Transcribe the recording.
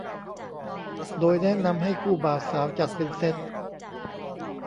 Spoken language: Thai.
โดยแนะนำให้คู่บ่าวสาวจัดเป็นเซต